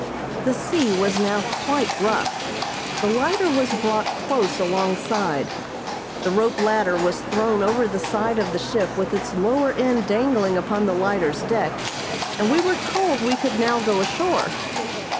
The sea was now quite rough. The lighter was brought close alongside. The rope ladder was thrown over the side of the ship with its lower end dangling upon the lighter's deck, and we were told we could now go ashore.